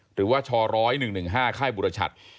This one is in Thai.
หรือว่าช๑๐๑๑๕ค่ายบุรชัด